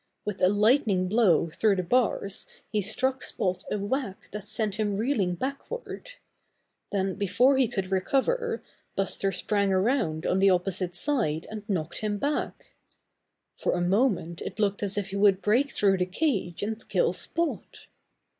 With a lightning blow through the bars he struck Spot a whack that sent him reeling backward. Then before he could recover, Buster sprang around on the opposite side and knocked him back. For a Buster Becomes a Trick Bear 85 moment it looked as if he would break through the cage and kill Spot.